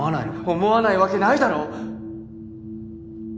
思わないわけないだろ！